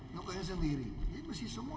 itu sendiri jadi mesti semua